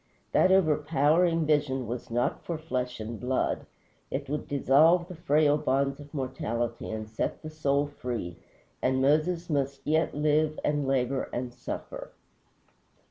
That overpowering vision was not for flesh and blood; it would dissolve the frail bonds of mortality and set the soul free, and Moses must yet live, and labor, and suffer.